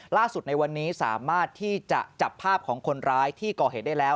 ล่าสุดในวันนี้สามารถที่จะจับภาพของคนร้ายที่ก่อเหตุได้แล้ว